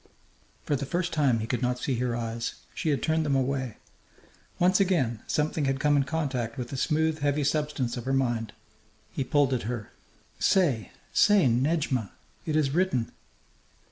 For the first time he could not see her eyes. She had turned them away. Once again something had come in contact with the smooth, heavy substance of her mind. He pulled at her. "Say! Say, Nedjmà!... It is written!"